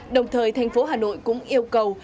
đồng thời thành phố hà nội cũng yêu cầu